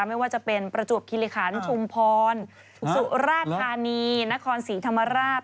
ไม่ว่าจะเป็นประจวบคิริขันชุมพรสุราธานีนครศรีธรรมราช